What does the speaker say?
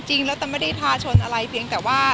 จริงแล้วแต่ไม่ได้พาชนอะไรเพียงแต่ว่า